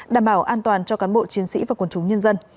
đảm bảo an toàn cho cán bộ chiến sĩ và quân chúng nhân dân